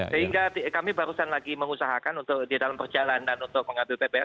sehingga kami barusan lagi mengusahakan untuk di dalam perjalanan untuk mengambil ppr